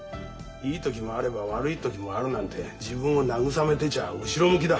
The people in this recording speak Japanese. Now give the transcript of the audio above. いい時もあれば悪い時もあるなんて自分を慰めてちゃ後ろ向きだ。